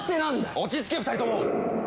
落ち着け２人とも！